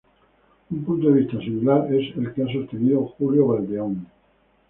Un punto de vista similar es el que ha sostenido Julio Valdeón.